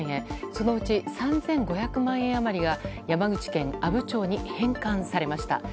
そのうち３５００万円余りが山口県阿武町に返還されました。